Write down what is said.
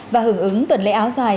và hưởng ứng tuần lễ áo dài